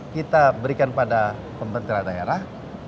kita berikan pada pembentura daerah